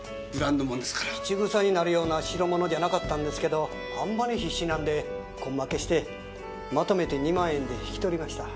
質草になるような代物じゃなかったんですけどあんまり必死なんで根負けしてまとめて２万円で引き取りました。